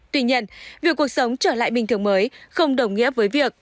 tuy nhiên việc cuộc sống trở lại bình thường mới không đồng nghĩa với việc